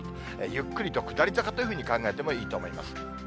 ゆっくりと下り坂というふうに考えてもいいと思います。